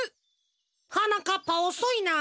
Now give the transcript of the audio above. はなかっぱおそいな。